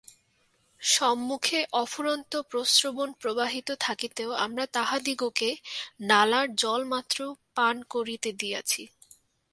সম্মুখে অফুরন্ত প্রস্রবণ প্রবাহিত থাকিতেও আমরা তাহাদিগকে নালার জলমাত্র পান করিতে দিয়াছি।